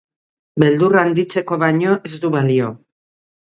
Beldurra handitzeko baino ez du balio.